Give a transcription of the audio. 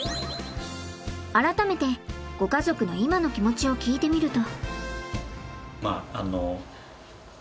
改めてご家族の今の気持ちを聞いてみると。